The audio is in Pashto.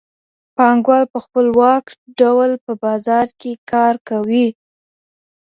پانګوال په خپلواک ډول په بازار کي کار کوي.